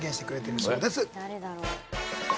誰だろう？